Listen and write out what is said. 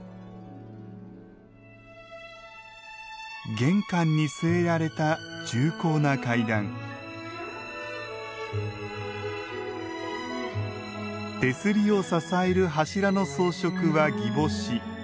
玄関に据えられた重厚な階段手すりを支える柱の装飾は擬宝珠。